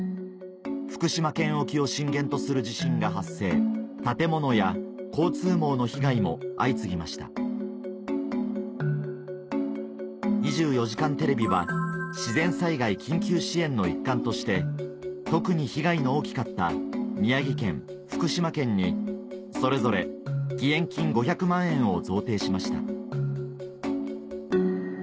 福島県沖を震源とする地震が発生建物や交通網の被害も相次ぎました『２４時間テレビ』は自然災害緊急支援の一環として特に被害の大きかった宮城県福島県にそれぞれ義援金５００万円を贈呈しました